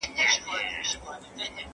زه کولای سم سفر وکړم،